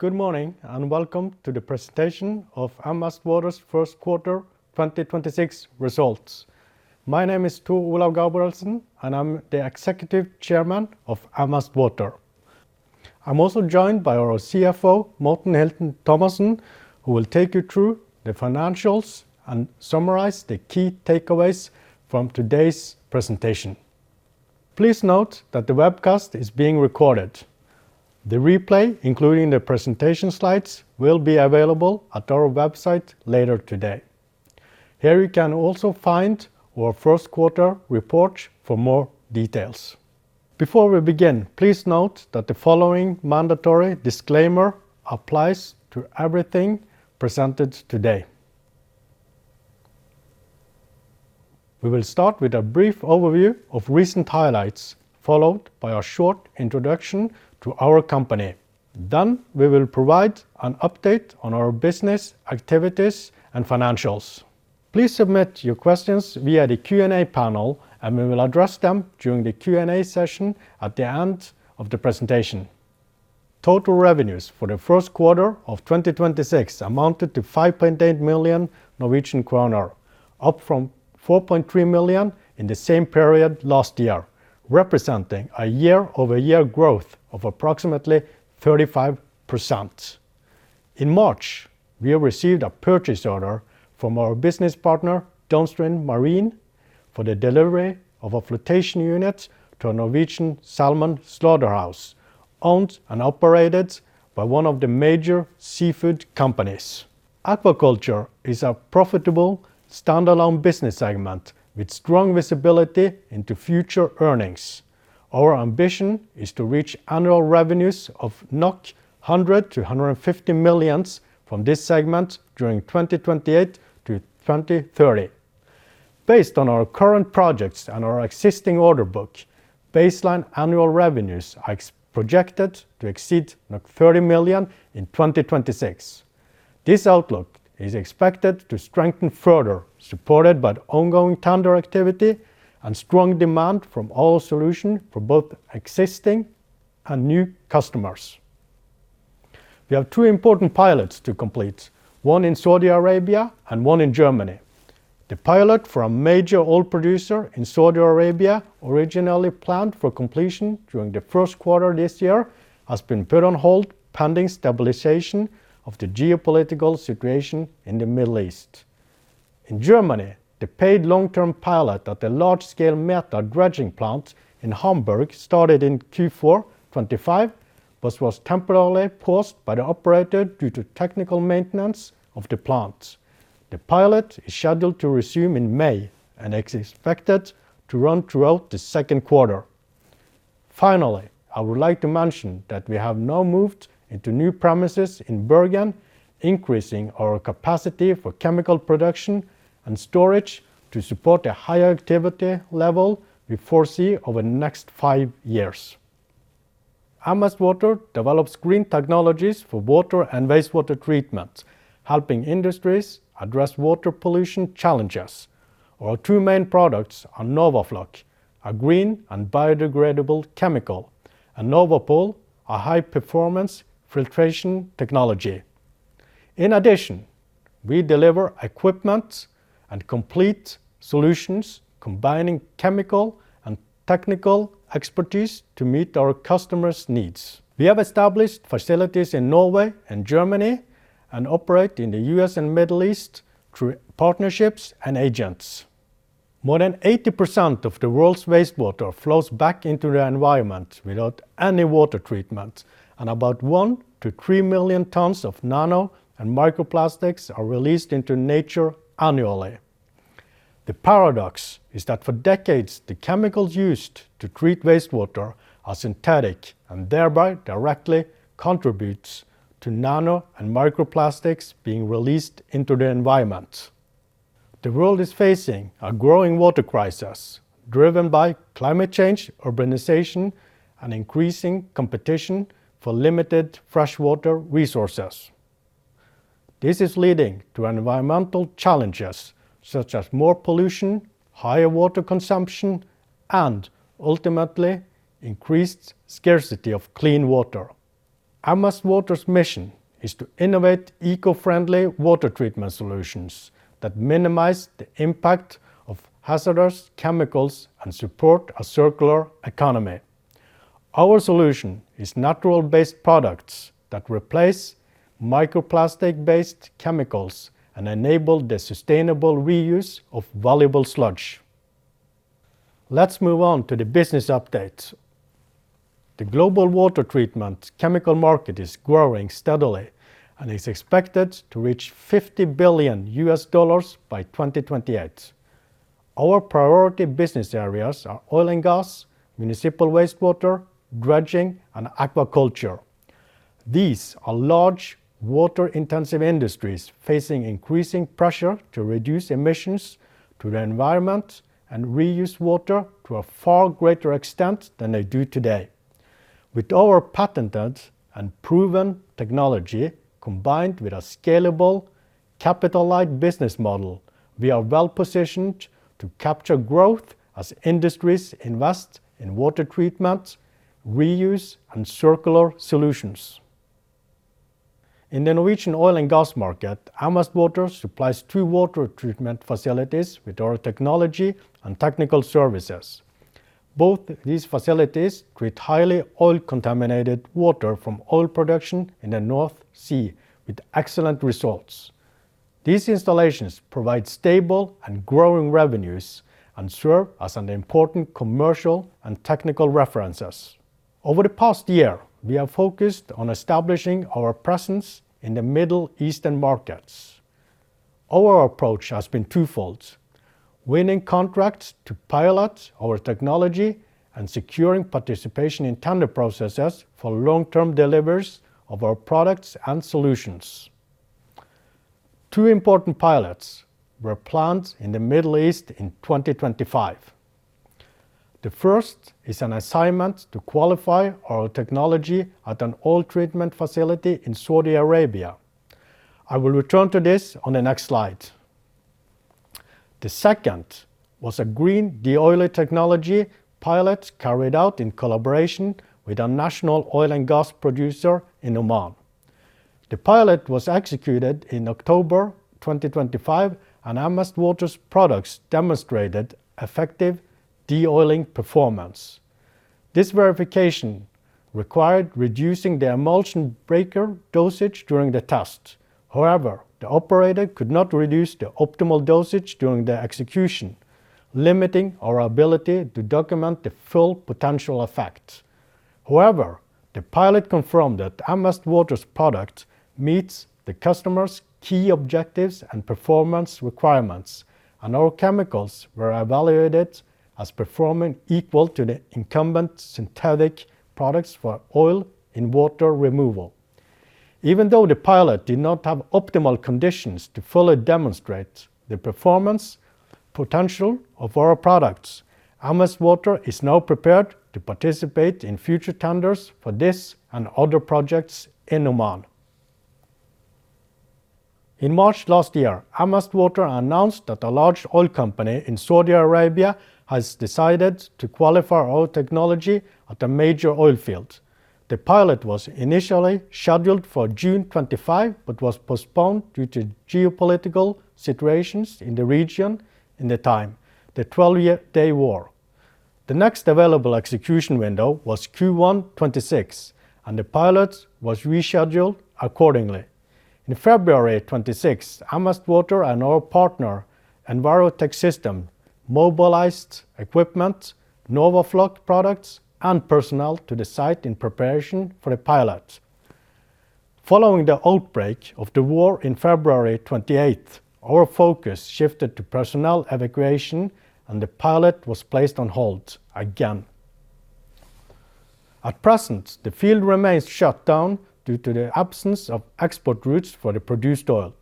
Good morning, and welcome to the presentation of M Vest Water's first quarter 2026 results. My name is Tor Olav Gabrielsen, and I'm the Executive Chairman of M Vest Water. I'm also joined by our CFO, Morten Hilton Thomassen, who will take you through the financials and summarize the key takeaways from today's presentation. Please note that the webcast is being recorded. The replay, including the presentation slides, will be available at our website later today. Here you can also find our first quarter report for more details. Before we begin, please note that the following mandatory disclaimer applies to everything presented today. We will start with a brief overview of recent highlights, followed by a short introduction to our company. We will provide an update on our business activities and financials. Please submit your questions via the Q&A panel, and we will address them during the Q&A session at the end of the presentation. Total revenues for the first quarter of 2026 amounted to 5.8 million Norwegian kroner, up from 4.3 million in the same period last year, representing a year-over-year growth of approximately 35%. In March, we have received a purchase order from our business partner, Downstream Marine, for the delivery of a flotation unit to a Norwegian salmon slaughterhouse, owned and operated by one of the major seafood companies. Aquaculture is a profitable standalone business segment with strong visibility into future earnings. Our ambition is to reach annual revenues of 100 million-150 million from this segment during 2028-2030. Based on our current projects and our existing order book, baseline annual revenues are projected to exceed 30 million in 2026. This outlook is expected to strengthen further, supported by the ongoing tender activity and strong demand from our solution for both existing and new customers. We have two important pilots to complete, one in Saudi Arabia and one in Germany. The pilot for a major oil producer in Saudi Arabia, originally planned for completion during the first quarter this year, has been put on hold pending stabilization of the geopolitical situation in the Middle East. In Germany, the paid long-term pilot at the large-scale METHA dredging plant in Hamburg started in Q4 2025, but was temporarily paused by the operator due to technical maintenance of the plant. The pilot is scheduled to resume in May and is expected to run throughout the second quarter. Finally, I would like to mention that we have now moved into new premises in Bergen, increasing our capacity for chemical production and storage to support a higher activity level we foresee over the next five years. M Vest Water develops green technologies for water and wastewater treatment, helping industries address water pollution challenges. Our two main products are NORWAFLOC, a green and biodegradable chemical, and NORWAPOL, a high-performance filtration technology. In addition, we deliver equipment and complete solutions combining chemical and technical expertise to meet our customers' needs. We have established facilities in Norway and Germany and operate in the U.S. and Middle East through partnerships and agents. More than 80% of the world's wastewater flows back into the environment without any water treatment, and about 1 million-3 million tons of nano and microplastics are released into nature annually. The paradox is that for decades, the chemicals used to treat wastewater are synthetic and thereby directly contributes to nano and microplastics being released into the environment. The world is facing a growing water crisis driven by climate change, urbanization, and increasing competition for limited freshwater resources. This is leading to environmental challenges such as more pollution, higher water consumption, and ultimately increased scarcity of clean water. M Vest Water's mission is to innovate eco-friendly water treatment solutions that minimize the impact of hazardous chemicals and support a circular economy. Our solution is natural-based products that replace microplastic-based chemicals and enable the sustainable reuse of valuable sludge. Let's move on to the business update. The global water treatment chemical market is growing steadily and is expected to reach $50 billion by 2028. Our priority business areas are oil and gas, municipal wastewater, dredging, and aquaculture. These are large water-intensive industries facing increasing pressure to reduce emissions to the environment and reuse water to a far greater extent than they do today. With our patented and proven technology, combined with a scalable capital-light business model, we are well-positioned to capture growth as industries invest in water treatment, reuse, and circular solutions. In the Norwegian oil and gas market, M Vest Water supplies two water treatment facilities with our technology and technical services. Both these facilities treat highly oil contaminated water from oil production in the North Sea with excellent results. These installations provide stable and growing revenues and serve as an important commercial and technical references. Over the past year, we have focused on establishing our presence in the Middle Eastern markets. Our approach has been twofold: winning contracts to pilot our technology and securing participation in tender processes for long-term deliveries of our products and solutions. Two important pilots were planned in the Middle East in 2025. The first is an assignment to qualify our technology at an oil treatment facility in Saudi Arabia. I will return to this on the next slide. The second was a green de-oiler technology pilot carried out in collaboration with a national oil and gas producer in Oman. The pilot was executed in October 2025. M Vest Water's products demonstrated effective de-oiling performance. This verification required reducing the emulsion breaker dosage during the test. The operator could not reduce the optimal dosage during the execution, limiting our ability to document the full potential effect. The pilot confirmed that M Vest Water's product meets the customer's key objectives and performance requirements. Our chemicals were evaluated as performing equal to the incumbent synthetic products for oil and water removal. Even though the pilot did not have optimal conditions to fully demonstrate the performance potential of our products, M Vest Water is now prepared to participate in future tenders for this and other projects in Oman. In March last year, M Vest Water announced that a large oil company in Saudi Arabia has decided to qualify our technology at a major oil field. The pilot was initially scheduled for June 2025, but was postponed due to geopolitical situations in the region in the time, the 12 year [day] war. The next available execution window was Q1 2026, and the pilot was rescheduled accordingly. In February 2026, M Vest Water and our partner, Enviro-Tech Systems, mobilized equipment, NORWAFLOC products, and personnel to the site in preparation for the pilot. Following the outbreak of the war in February 28, our focus shifted to personnel evacuation, and the pilot was placed on hold again. At present, the field remains shut down due to the absence of export routes for the produced oil.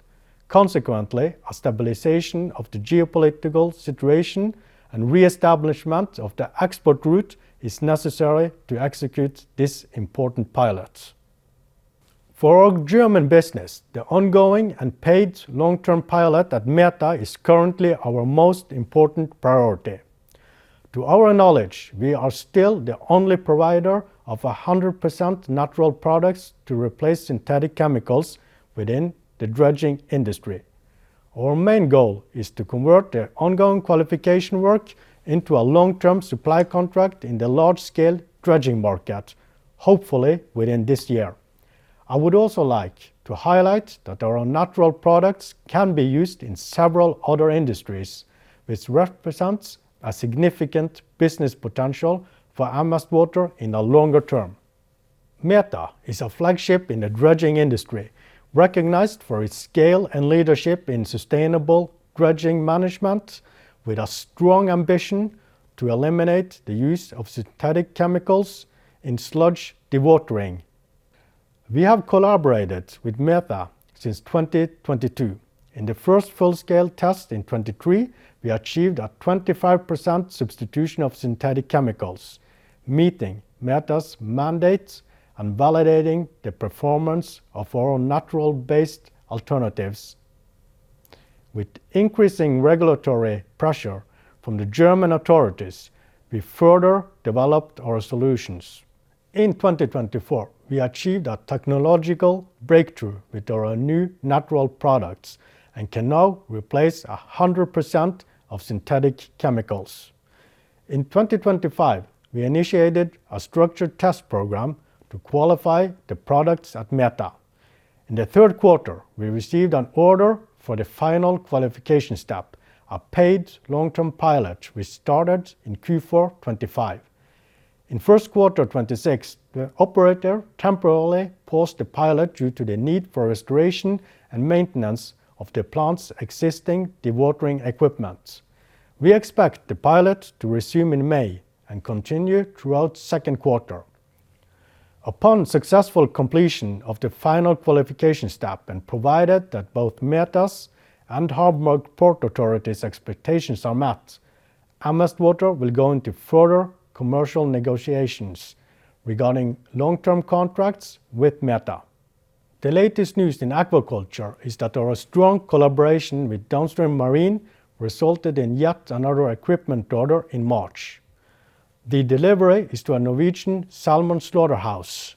Consequently, a stabilization of the geopolitical situation and reestablishment of the export route is necessary to execute this important pilot. For our German business, the ongoing and paid long-term pilot at METHA is currently our most important priority. To our knowledge, we are still the only provider of a 100% natural products to replace synthetic chemicals within the dredging industry. Our main goal is to convert their ongoing qualification work into a long-term supply contract in the large-scale dredging market, hopefully within this year. I would also like to highlight that our natural products can be used in several other industries, which represents a significant business potential for M Vest Water in the longer term. METHA is a flagship in the dredging industry, recognized for its scale and leadership in sustainable dredging management with a strong ambition to eliminate the use of synthetic chemicals in sludge dewatering. We have collaborated with METHA since 2022. In the first full-scale test in 2023, we achieved a 25% substitution of synthetic chemicals, meeting METHA's mandates and validating the performance of our natural-based alternatives. With increasing regulatory pressure from the German authorities, we further developed our solutions. In 2024, we achieved a technological breakthrough with our new natural products and can now replace 100% of synthetic chemicals. In 2025, we initiated a structured test program to qualify the products at METHA. In the third quarter, we received an order for the final qualification step, a paid long-term pilot which started in Q4 2025. In first quarter 2026, the operator temporarily paused the pilot due to the need for restoration and maintenance of the plant's existing dewatering equipment. We expect the pilot to resume in May and continue throughout second quarter. Upon successful completion of the final qualification step, and provided that both METHA's and Hamburg Port Authority's expectations are met, M Vest Water will go into further commercial negotiations regarding long-term contracts with METHA. The latest news in aquaculture is that our strong collaboration with Downstream Marine resulted in yet another equipment order in March. The delivery is to a Norwegian salmon slaughterhouse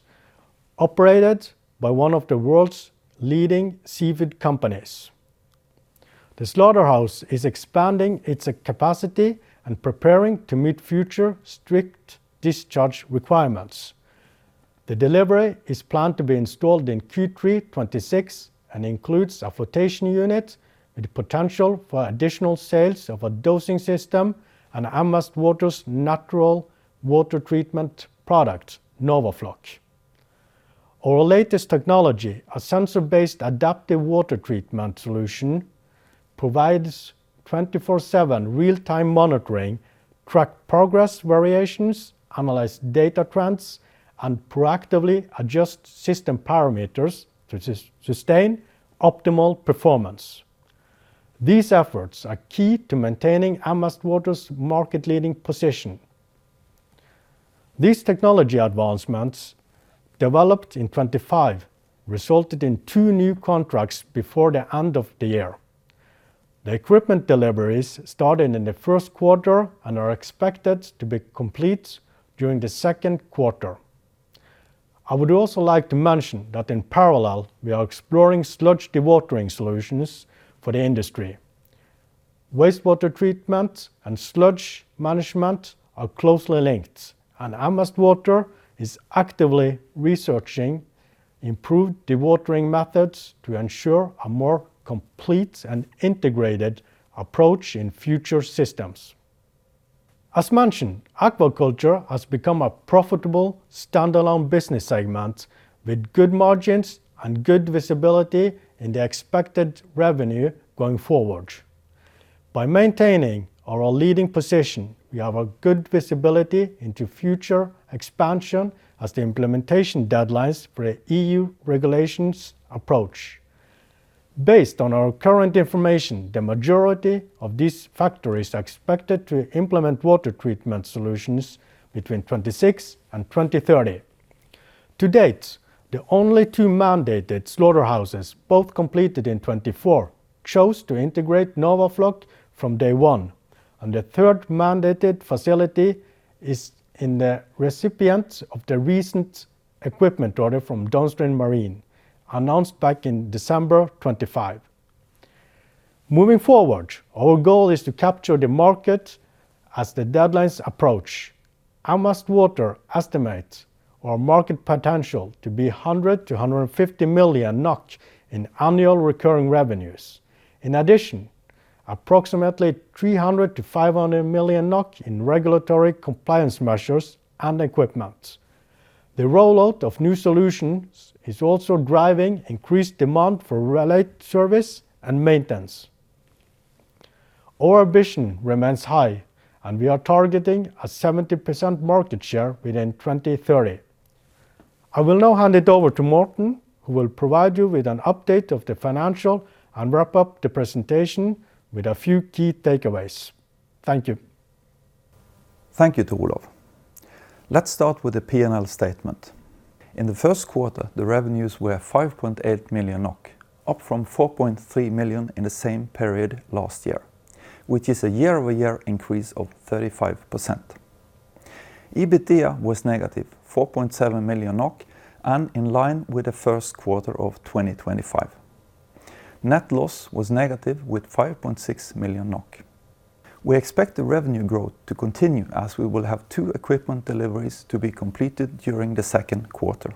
operated by one of the world's leading seafood companies. The slaughterhouse is expanding its capacity and preparing to meet future strict discharge requirements. The delivery is planned to be installed in Q3 2026 and includes a flotation unit with the potential for additional sales of a dosing system and M Vest Water's natural water treatment product, NORWAFLOC. Our latest technology, a sensor-based adaptive water treatment solution, provides 24/7 real-time monitoring, track progress variations, analyze data trends, and proactively adjust system parameters to sustain optimal performance. These efforts are key to maintaining M Vest Water's market-leading position. These technology advancements developed in 2025 resulted in two new contracts before the end of the year. The equipment deliveries started in the first quarter and are expected to be complete during the second quarter. I would also like to mention that in parallel, we are exploring sludge dewatering solutions for the industry. Wastewater treatment and sludge management are closely linked, and M Vest Water is actively researching improved dewatering methods to ensure a more complete and integrated approach in future systems. As mentioned, aquaculture has become a profitable standalone business segment with good margins and good visibility in the expected revenue going forward. By maintaining our leading position, we have a good visibility into future expansion as the implementation deadlines for EU regulations approach. Based on our current information, the majority of these factories are expected to implement water treatment solutions between 2026 and 2030. To date, the only two mandated slaughterhouses, both completed in 2024, chose to integrate NORWAFLOC from day one, and the third mandated facility is in the recipient of the recent equipment order from Downstream Marine announced back in December 2025. Moving forward, our goal is to capture the market as the deadlines approach. M Vest Water estimates our market potential to be 100 million-150 million NOK in annual recurring revenues. In addition, approximately 300 million-500 million NOK in regulatory compliance measures and equipment. The rollout of new solutions is also driving increased demand for related service and maintenance. Our vision remains high, and we are targeting a 70% market share within 2030. I will now hand it over to Morten, who will provide you with an update of the financial and wrap up the presentation with a few key takeaways. Thank you. Thank you Tor Olav. Let's start with the P&L statement. In the first quarter, the revenues were 5.8 million NOK, up from 4.3 million in the same period last year, which is a year-over-year increase of 35%. EBITDA was negative, 4.7 million NOK, and in line with the first quarter of 2025. Net loss was negative with 5.6 million NOK. We expect the revenue growth to continue as we will have two equipment deliveries to be completed during the second quarter.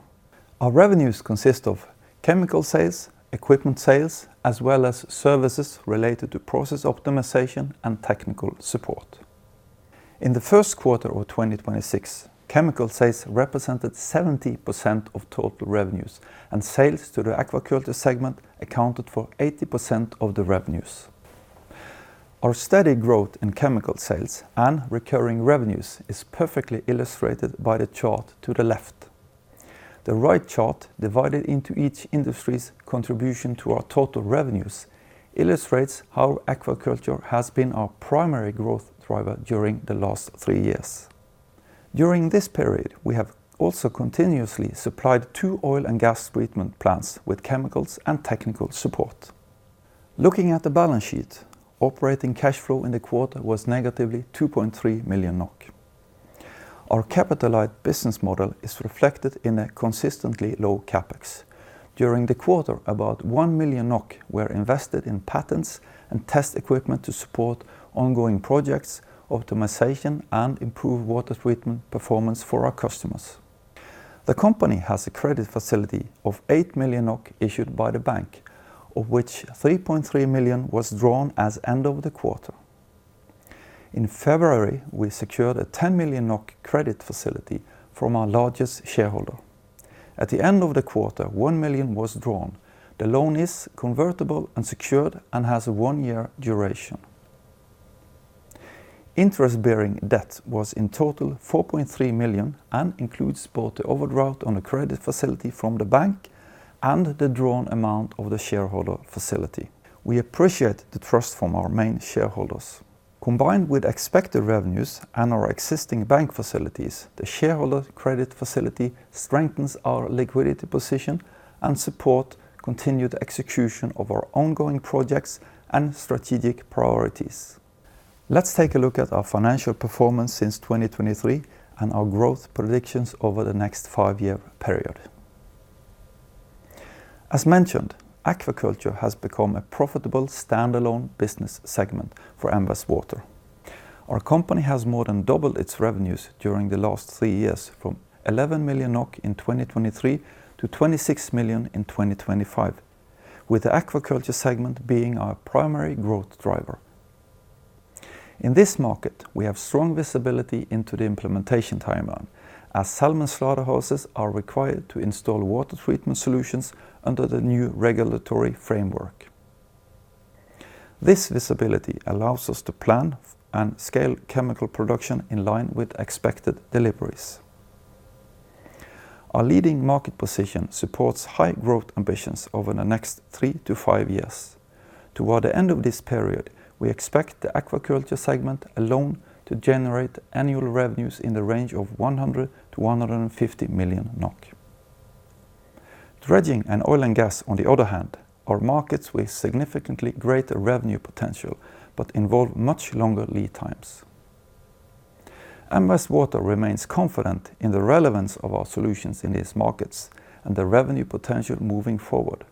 Our revenues consist of chemical sales, equipment sales, as well as services related to process optimization and technical support. In the first quarter of 2026, chemical sales represented 70% of total revenues, and sales to the aquaculture segment accounted for 80% of the revenues. Our steady growth in chemical sales and recurring revenues is perfectly illustrated by the chart to the left. The right chart, divided into each industry's contribution to our total revenues, illustrates how aquaculture has been our primary growth driver during the last three years. During this period, we have also continuously supplied two oil and gas treatment plants with chemicals and technical support. Looking at the balance sheet, operating cash flow in the quarter was -2.3 million NOK. Our capital-light business model is reflected in a consistently low CapEx. During the quarter, about 1 million NOK were invested in patents and test equipment to support ongoing projects, optimization, and improved water treatment performance for our customers. The company has a credit facility of 8 million NOK issued by the bank, of which 3.3 million was drawn as end of the quarter. In February, we secured a 10 million NOK credit facility from our largest shareholder. At the end of the quarter, 1 million was drawn. The loan is convertible and secured and has a one-year duration. Interest-bearing debt was in total 4.3 million and includes both the overdraft on a credit facility from the bank and the drawn amount of the shareholder facility. We appreciate the trust from our main shareholders. Combined with expected revenues and our existing bank facilities, the shareholder credit facility strengthens our liquidity position and support continued execution of our ongoing projects and strategic priorities. Let's take a look at our financial performance since 2023 and our growth predictions over the next five year period. As mentioned, aquaculture has become a profitable standalone business segment for M Vest Water. Our company has more than doubled its revenues during the last three years, from 11 million NOK in 2023 to 26 million in 2025, with the aquaculture segment being our primary growth driver. In this market, we have strong visibility into the implementation timeline as salmon slaughterhouses are required to install water treatment solutions under the new regulatory framework. This visibility allows us to plan and scale chemical production in line with expected deliveries. Our leading market position supports high growth ambitions over the next three to five years. Toward the end of this period, we expect the aquaculture segment alone to generate annual revenues in the range of 100 million-150 million NOK. Dredging and oil and gas, on the other hand, are markets with significantly greater revenue potential but involve much longer lead times. M Vest Water remains confident in the relevance of our solutions in these markets and the revenue potential moving forward.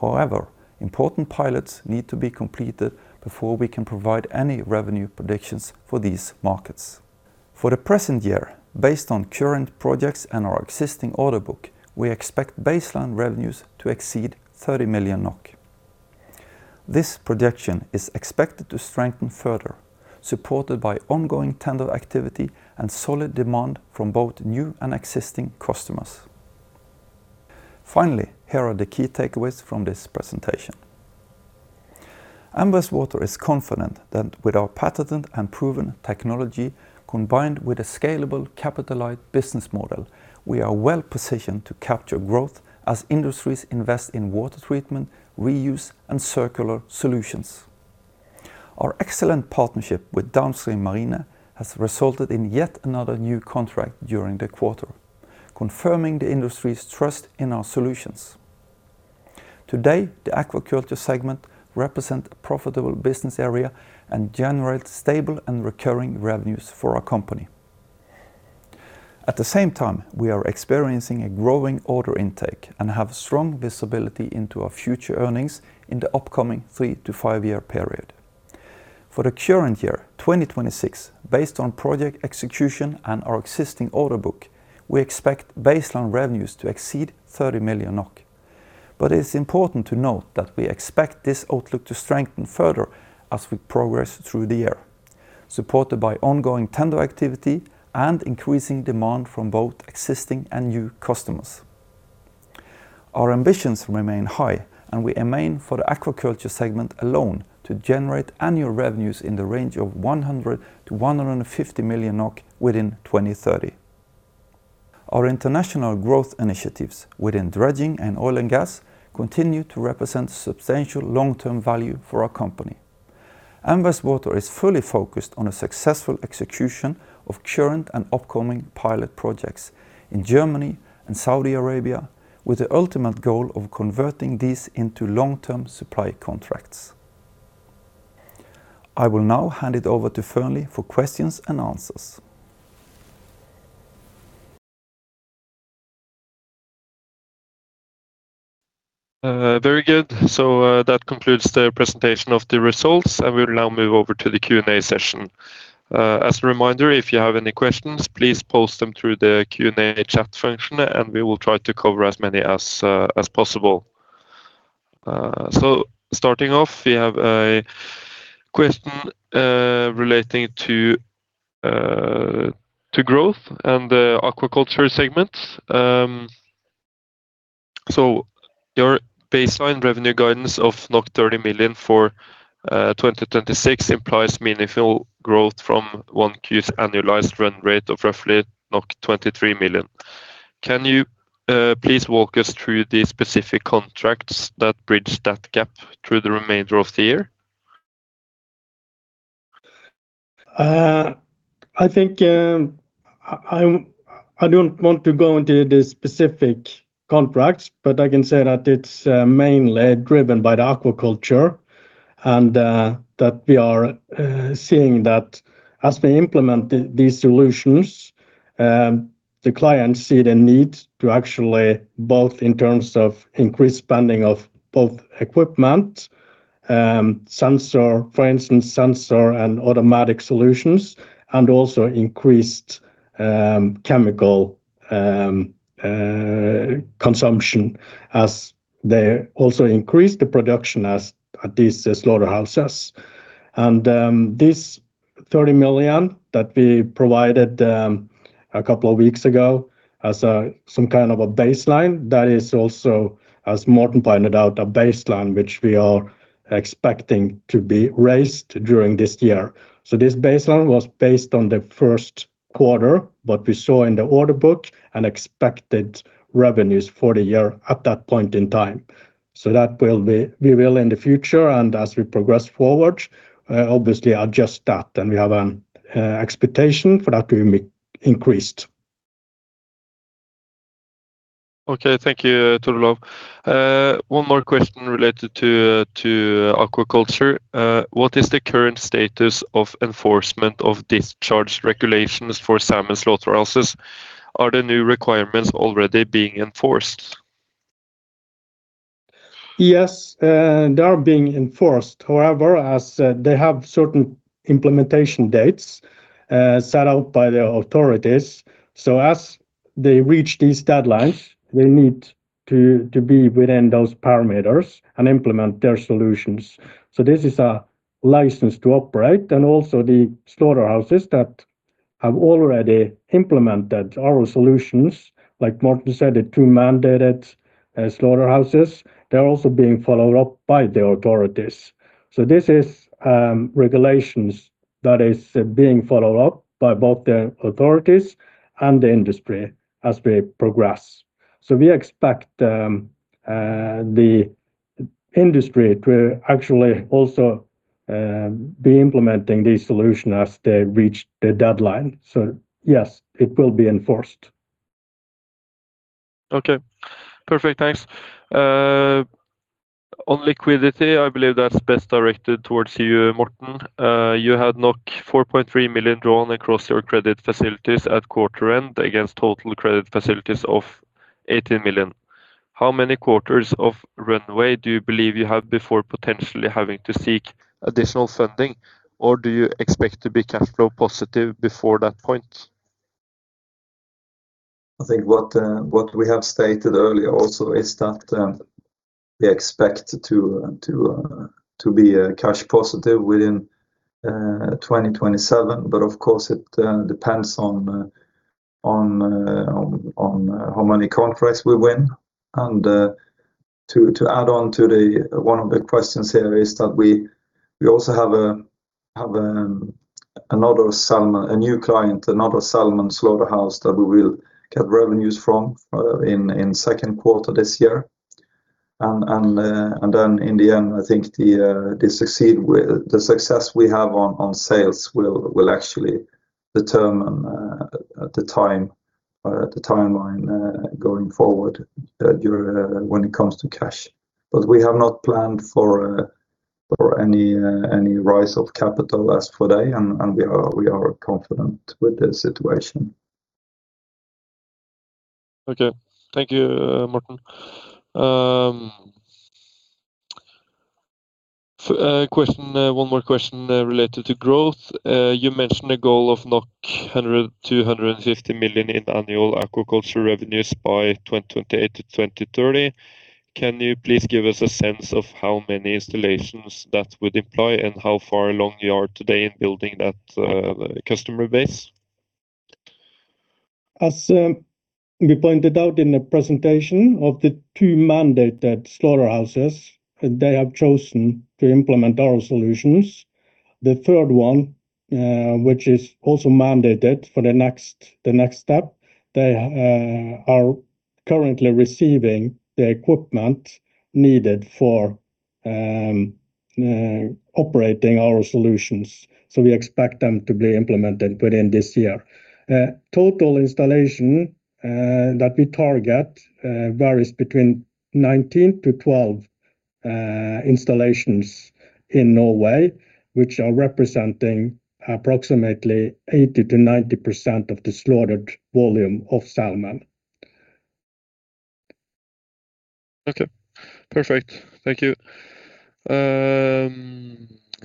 However, important pilots need to be completed before we can provide any revenue predictions for these markets. For the present year, based on current projects and our existing order book, we expect baseline revenues to exceed 30 million NOK. This projection is expected to strengthen further, supported by ongoing tender activity and solid demand from both new and existing customers. Finally, here are the key takeaways from this presentation. M Vest Water is confident that with our patented and proven technology, combined with a scalable capital-light business model, we are well-positioned to capture growth as industries invest in water treatment, reuse, and circular solutions. Our excellent partnership with Downstream Marine has resulted in yet another new contract during the quarter, confirming the industry's trust in our solutions. Today, the aquaculture segment represent a profitable business area and generates stable and recurring revenues for our company. At the same time, we are experiencing a growing order intake and have strong visibility into our future earnings in the upcoming three to five year period. For the current year, 2026, based on project execution and our existing order book, we expect baseline revenues to exceed 30 million NOK. It is important to note that we expect this outlook to strengthen further as we progress through the year, supported by ongoing tender activity and increasing demand from both existing and new customers. Our ambitions remain high, and we aim for the aquaculture segment alone to generate annual revenues in the range of 100 million-150 million NOK within 2030. Our international growth initiatives within dredging and oil and gas continue to represent substantial long-term value for our company. M Vest Water is fully focused on a successful execution of current and upcoming pilot projects in Germany and Saudi Arabia, with the ultimate goal of converting these into long-term supply contracts. I will now hand it over to Fearnley for questions and answers. Very good. That concludes the presentation of the results, and we'll now move over to the Q&A session. As a reminder, if you have any questions, please post them through the Q&A chat function, and we will try to cover as many as possible. Starting off, we have a question relating to growth and the aquaculture segment. Your baseline revenue guidance of 30 million for 2026 implies meaningful growth from 1Q's annualized run rate of roughly 23 million. Can you please walk us through the specific contracts that bridge that gap through the remainder of the year? I think, I don't want to go into the specific contracts, but I can say that it's mainly driven by the aquaculture and that we are seeing that as we implement these solutions, the clients see the need to actually both in terms of increased spending of both equipment, sensor, for instance, sensor and automatic solutions, and also increased chemical consumption as they also increase the production at these slaughterhouses. This 30 million that we provided a couple of weeks ago as some kind of a baseline, that is also, as Morten Hilton Thomassen pointed out, a baseline which we are expecting to be raised during this year. This baseline was based on the first quarter, what we saw in the order book and expected revenues for the year at that point in time. That will be real in the future, as we progress forward, obviously adjust that. We have an expectation for that to be increased. Okay. Thank you, Tor Olav. One more question related to aquaculture. What is the current status of enforcement of discharge regulations for salmon slaughterhouses? Are the new requirements already being enforced? Yes, they are being enforced. However, as, they have certain implementation dates, set out by the authorities. As they reach these deadlines, they need to be within those parameters and implement their solutions. This is a license to operate. The slaughterhouses that have already implemented our solutions, like Morten said, the two mandated, slaughterhouses, they're also being followed up by the authorities. This is, regulations that is being followed up by both the authorities and the industry as we progress. We expect, the industry to actually also, be implementing these solutions as they reach the deadline. Yes, it will be enforced. Okay. Perfect. Thanks. On liquidity, I believe that's best directed towards you, Morten. You had 4.3 million drawn across your credit facilities at quarter end against total credit facilities of 80 million. How many quarters of runway do you believe you have before potentially having to seek additional funding, or do you expect to be cash flow positive before that point? I think what we have stated earlier also is that, we expect to be cash positive within 2027. Of course it depends on how many contracts we win. To add on to one of the questions here is that we also have a new client, another salmon slaughterhouse that we will get revenues from in second quarter this year. Then in the end, I think the success we have on sales will actually determine the time, the timeline, going forward, during when it comes to cash. We have not planned for any rise of capital as for today. We are confident with the situation. Okay. Thank you, Morten. One more question related to growth. You mentioned a goal of 100 million to 150 million in annual aquaculture revenues by 2028 to 2030. Can you please give us a sense of how many installations that would employ and how far along you are today in building that customer base? We pointed out in the presentation of the two mandated slaughterhouses, they have chosen to implement our solutions. The third one, which is also mandated for the next step, they are currently receiving the equipment needed for operating our solutions. We expect them to be implemented within this year. Total installation that we target varies between 19-12 installations in Norway, which are representing approximately 80%-90% of the slaughtered volume of salmon. Okay. Perfect. Thank you.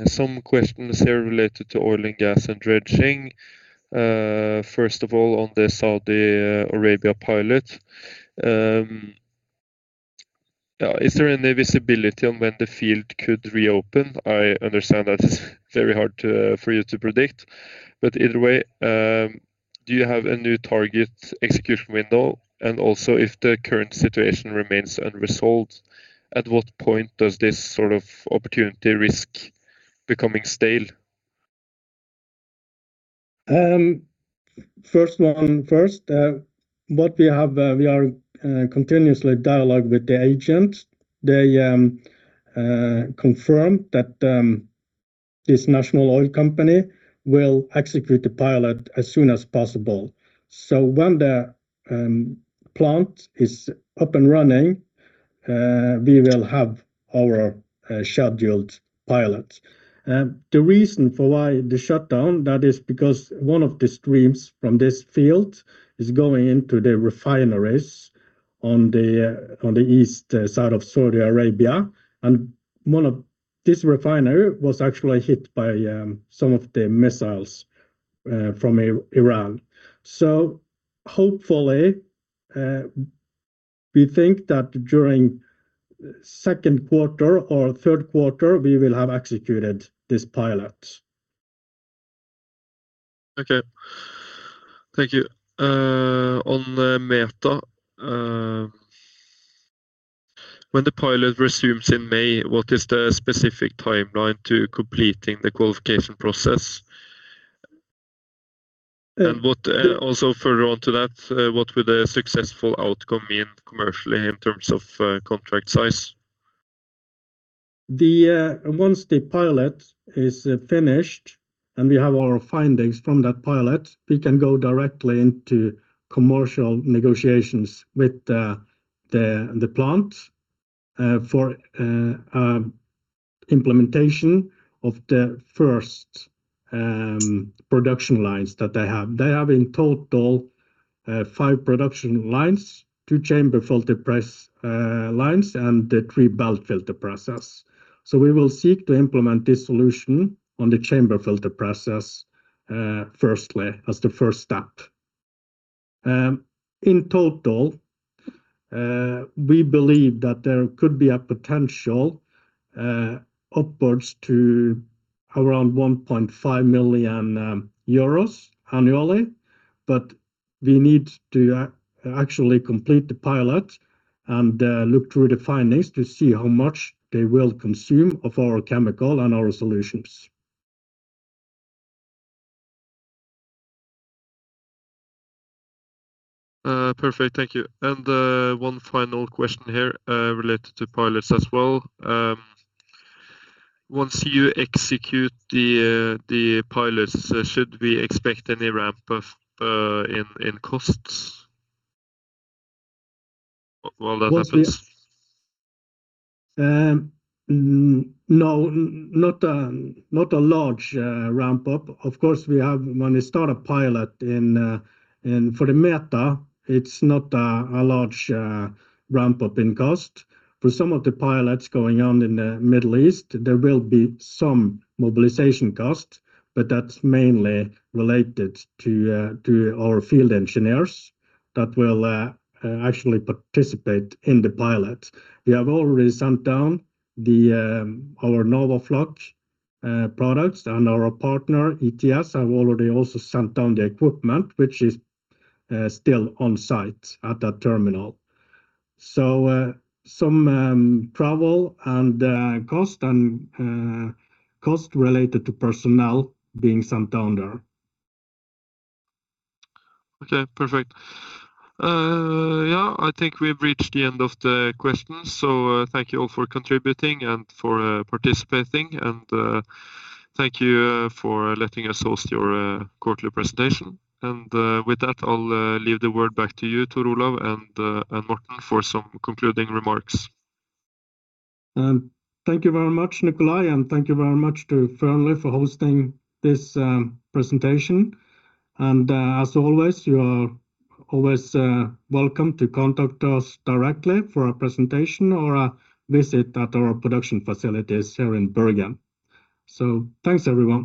Some questions here related to oil and gas and dredging. First of all, on the Saudi Arabia pilot, is there any visibility on when the field could reopen? I understand that it's very hard to for you to predict. Either way, do you have a new target execution window? Also, if the current situation remains unresolved, at what point does this sort of opportunity risk becoming stale? First one first. What we have, we are continuously dialogue with the agent. They confirm that this national oil company will execute the pilot as soon as possible. When the plant is up and running, we will have our scheduled pilot. The reason for why the shutdown, that is because one of the streams from this field is going into the refineries on the east side of Saudi Arabia. One of this refinery was actually hit by some of the missiles from Iran. Hopefully, we think that during second quarter or third quarter, we will have executed this pilot. Okay. Thank you. On METHA, when the pilot resumes in May, what is the specific timeline to completing the qualification process? What also further on to that, what would a successful outcome mean commercially in terms of contract size? Once the pilot is finished and we have our findings from that pilot, we can go directly into commercial negotiations with the plant for implementation of the first production lines that they have. They have in total five production lines, two chamber filter press lines, and the three belt filter press. We will seek to implement this solution on the chamber filter press, firstly, as the first step. In total, we believe that there could be a potential upwards to around 1.5 million euros annually, but we need to actually complete the pilot and look through the findings to see how much they will consume of our chemical and our solutions. Perfect. Thank you. One final question here, related to pilots as well. Once you execute the pilots, should we expect any ramp up in costs while that happens? No, not a large ramp up. When we start a pilot in for the METHA, it's not a large ramp up in cost. For some of the pilots going on in the Middle East, there will be some mobilization cost, but that's mainly related to our field engineers that will actually participate in the pilot. We have already sent down our NORWAFLOC products, and our partner, ETS, have already also sent down the equipment, which is still on site at that terminal. Some travel and cost and cost related to personnel being sent down there. Okay. Perfect. Yeah, I think we've reached the end of the questions, so, thank you all for contributing and for participating, and thank you for letting us host your quarterly presentation. With that, I'll leave the word back to you, Tor Olav and Morten for some concluding remarks. Thank you very much, Nicolai, and thank you very much to Fearnley for hosting this presentation. As always, you are always welcome to contact us directly for a presentation or a visit at our production facilities here in Bergen. Thanks, everyone.